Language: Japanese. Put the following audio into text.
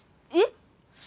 えっ？